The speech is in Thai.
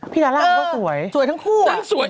พี่ลาร่าก็สวยสวยทั้งคู่